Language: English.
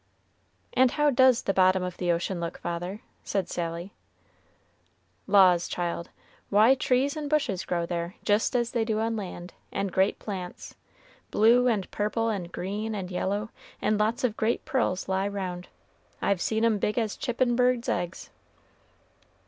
"And how does the bottom of the ocean look, father?" said Sally. "Laws, child, why trees and bushes grow there, just as they do on land; and great plants, blue and purple and green and yellow, and lots of great pearls lie round. I've seen 'em big as chippin' birds' eggs."